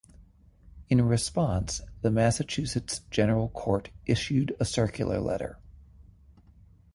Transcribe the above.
In response, the Massachusetts General Court issued a circular letter.